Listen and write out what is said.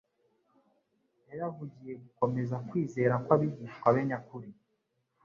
yayavugiye gukomeza kwizera kw'abigishwa be nyakuri,